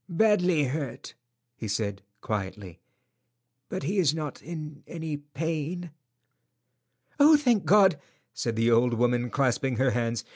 "Badly hurt," he said, quietly, "but he is not in any pain." "Oh, thank God!" said the old woman, clasping her hands.